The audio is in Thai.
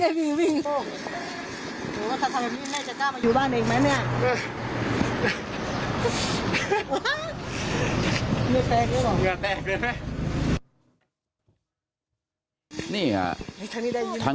ไม่แปลกเลยนะ